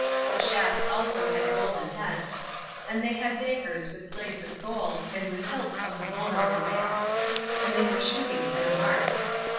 The shafts also had golden heads. And they had daggers with blades of gold, and with hilts of the bone of the whale. And they were shooting at a mark.